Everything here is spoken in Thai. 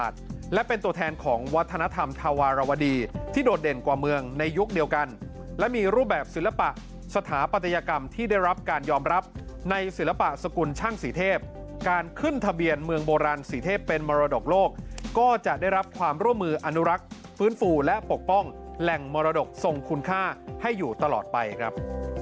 ทางธวรรณวดีที่โดดเด่นกว่าเมืองในยุคเดียวกันและมีรูปแบบศิลปะสถาปัตยกรรมที่ได้รับการยอมรับในศิลปะสกุลช่างสีเทพการขึ้นทะเบียนเมืองโบราณสีเทพเป็นมรดกโลกก็จะได้รับความร่วมมืออนุรักษ์ฟื้นฟูและปกป้องแหล่งมรดกทรงคุณค่าให้อยู่ตลอดไปครับ